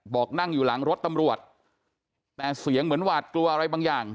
บอกนั่งอยู่หลังรถตำรวจแต่เสียงเหมือนหวาดกลัวอะไรบางอย่าง